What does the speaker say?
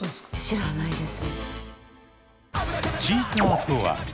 知らないです。